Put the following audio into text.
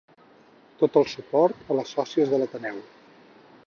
Tot el suport a les sòcies de l'ateneu.